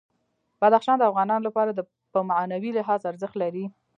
بدخشان د افغانانو لپاره په معنوي لحاظ ارزښت لري.